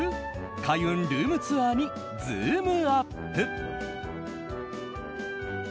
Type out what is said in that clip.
開運ルームツアーにズームＵＰ！